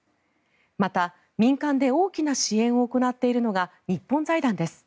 また、民間で大きな支援を行っているのが日本財団です。